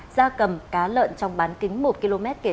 ra cầm cá lợn trong bán kính một km